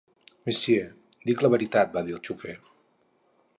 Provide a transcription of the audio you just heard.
"Monsieur, dic la veritat", va dir el xofer.